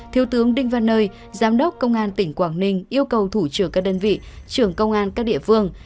thiếu tướng đinh văn ơi giám đốc công an tỉnh quảng ninh yêu cầu thủ trưởng các đơn vị trưởng công an các địa phương